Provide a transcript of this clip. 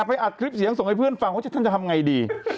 อัดคลิปเสียงส่งให้เพื่อนฟังว่าท่านจะทำไงดี